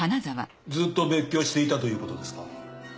ずっと別居していたということですか？